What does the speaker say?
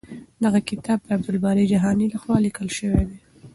دغه کتاب د عبدالباري جهاني لخوا لیکل شوی دی.